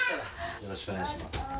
よろしくお願いします。